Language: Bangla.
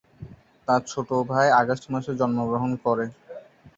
তার ছোট ভাই আগস্ট মাসে জন্মগ্রহণ করে।